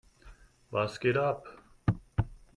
Was geht ab?